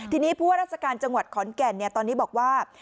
ทีนี้ผู้ว่าราชการจังหวัดขอนแก่นตอนนี้บอกว่า